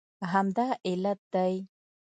همدا علت دی